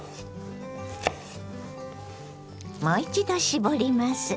もう一度絞ります。